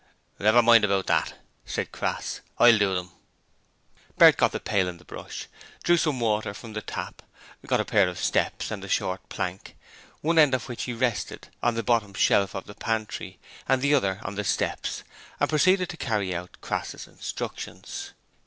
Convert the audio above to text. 'Never mind about that,' said Crass. 'I'll do them.' Bert got the pail and the brush, drew some water from the tap, got a pair of steps and a short plank, one end of which he rested on the bottom shelf of the pantry and the other on the steps, and proceeded to carry out Crass's instructions.